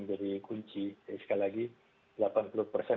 jadi kunci sekali lagi